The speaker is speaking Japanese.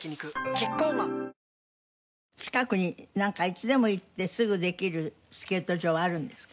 キッコーマン近くにいつでも行ってすぐできるスケート場はあるんですか？